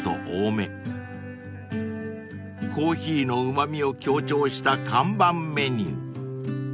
［コーヒーのうま味を強調した看板メニュー］